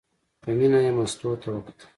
په مینه یې مستو ته وکتل.